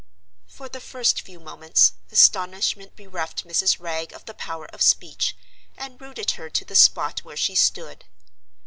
For the first few moments, astonishment bereft Mrs. Wragge of the power of speech, and rooted her to the spot where she stood.